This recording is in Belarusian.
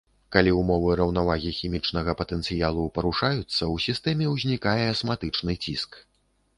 Калі ўмовы раўнавагі хімічнага патэнцыялу парушаюцца, у сістэме ўзнікае асматычны ціск.